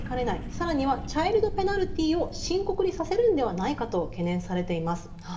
さらにはチャイルドペナルティーを深刻にさせるのではないかと懸念されています。